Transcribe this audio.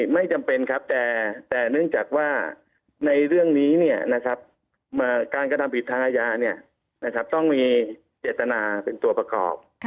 ไม่จำเป็นครับแต่เนื่องจากว่าในเรื่องนี้การกระทำผิดทางอาญาต้องมีเจตนาเป็นตัวประกอบ